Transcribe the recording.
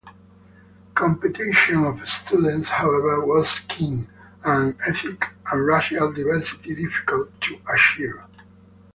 Competition for students, however, was keen, and ethnic and racial diversity difficult to achieve.